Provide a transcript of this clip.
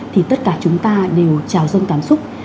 thì tất cả chúng ta đều trào dâng cảm xúc